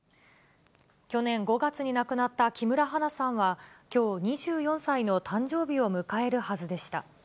去年５月に亡くなった木村花さんは、きょう２４歳の誕生日を迎えるはずでした。